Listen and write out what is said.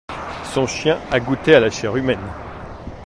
Son chien a goûté à la chair humaine.